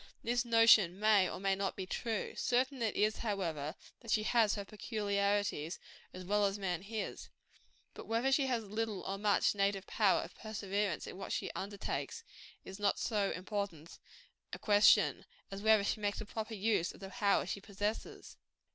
This notion may or may not be true. Certain it is, however, that she has her peculiarities, as well as man his. But whether she has little or much native power of perseverance in what she undertakes, is not so important a question, as whether she makes a proper use of the power she possesses.